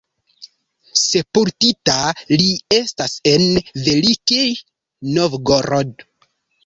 Sepultita li estas en Velikij Novgorod.